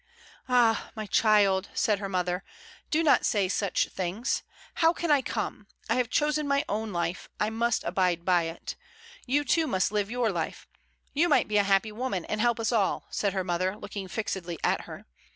"Ah! my child," said her mother. "Do not say such things. How can I come? I have chosen my own life; I must abide by it. You too must live your life. You might be a happy woman, and help us all," said her mother, looking fixedly at her.